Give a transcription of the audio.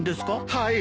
はい。